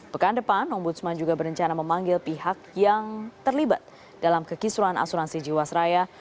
pekan depan ombudsman juga berencana memanggil pihak yang terlibat dalam kekisuran asuransi jiwasraya